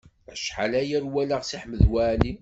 Acḥal aya ur walaɣ Si Ḥmed Waɛli.